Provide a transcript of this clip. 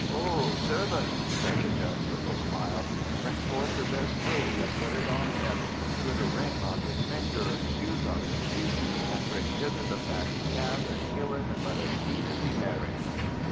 "Ho, servants!" said the Judge, with a smile. "Bring forth the best robe and put it on him and put a ring on his finger and shoes on his feet and bring hither the fatted calf and kill it and let us eat and be merry."